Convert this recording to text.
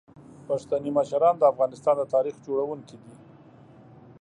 پښتني مشران د افغانستان د تاریخ جوړونکي دي.